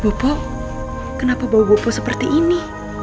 bopo kenapa bau bopo seperti ini